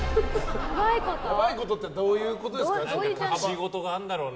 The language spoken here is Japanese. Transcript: やばいことってどういうことですか？